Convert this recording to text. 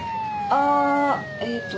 ああえっと